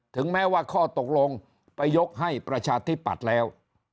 ถึงแม้ว่าข้อตกลงไปยกให้ประชาธิปัตย์แล้ว